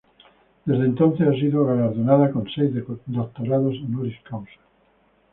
Desde entonces, ha sido galardonada con seis doctorados honoris causa.